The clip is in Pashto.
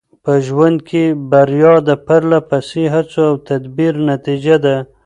په ژوند کې بریا د پرله پسې هڅو او تدبیر نتیجه ده.